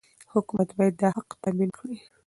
حکومت باید دا حق تامین کړي.